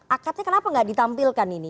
akatnya kenapa gak ditampilkan ini